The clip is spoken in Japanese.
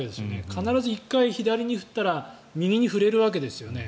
必ず１回左に振ったら右に触れるわけですよね。